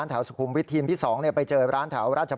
เพราะว่ามีทีมนี้ก็ตีความกันไปเยอะเลยนะครับ